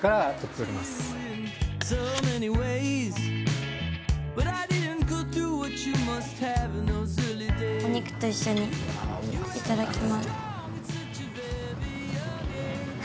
お肉と一緒にいただきます。